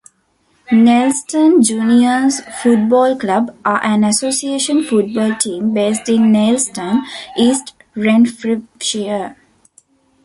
Neilston Juniors Football Club are an association football team based in Neilston, East Renfrewshire.